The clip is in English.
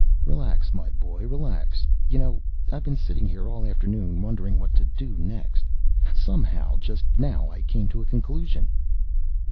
"Relax, my boy, relax. You know, I've been sitting here all afternoon wondering what to do next. Somehow, just now, I came to a conclusion."